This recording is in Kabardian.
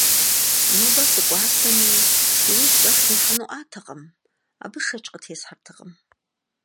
Нобэ сыкӀуэсами, си ужь щӀэх нихьэнуӀатэкъым – абы шэч къытесхьэртэкъым.